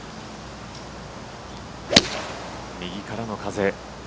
右からの風。